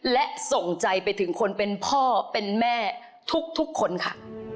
และส่งใจไปถึงคนเป็นพ่อเป็นแม่ทุกคนค่ะ